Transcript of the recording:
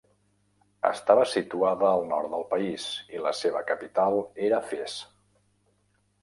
Estava situada al nord del país, i la seva capital era Fes.